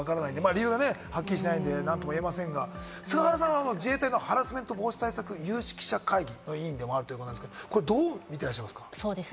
理由ははっきりしてないので何とも言えませんが、菅原さんは自衛隊のハラスメント防止対策有識者会議の委員でもありますが、どう見ていますか？